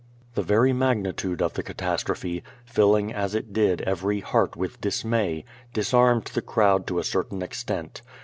The very magnitude of the catastrophe, filling as it did every heart with dismay, disarmed the crowd to a certain ex tent.